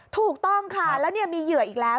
ถูกต้องค่ะแล้วมีเหยื่ออีกแล้ว